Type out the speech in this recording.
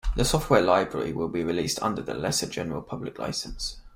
The software library will be released under the Lesser General Public License.